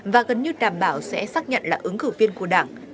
và gần như đảm bảo sẽ xác nhận là ứng cử viên của đảng